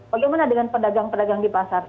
bagaimana dengan pedagang pedagang di pasar